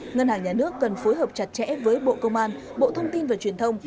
ngân hàng nhà nước cần phối hợp chặt chẽ với bộ công an bộ thông tin và truyền thông